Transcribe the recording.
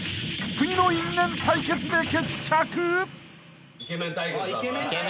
［次の因縁対決で決着！？］